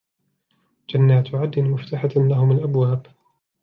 جنات عدن مفتحة لهم الأبواب